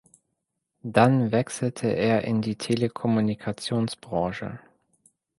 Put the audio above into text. Dann wechselte er in die Telekommunikationsbranche.